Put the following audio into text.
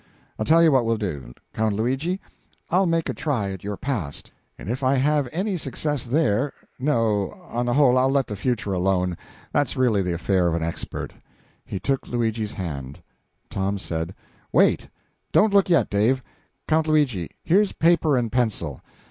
I'll tell you what we'll do, Count Luigi: I'll make a try at your past, and if I have any success there no, on the whole, I'll let the future alone; that's really the affair of an expert." He took Luigi's hand. Tom said "Wait don't look yet, Dave! Count Luigi, here's paper and pencil.